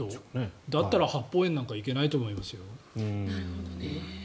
だったら八芳園なんか行けないと思いますよ。